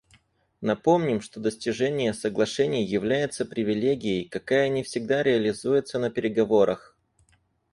Напомним, что достижение соглашений является привилегией, какая не всегда реализуется на переговорах.